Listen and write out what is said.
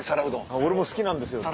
俺も好きなんですよ。